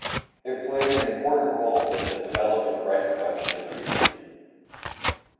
It played an important role in the development of rice production in the region.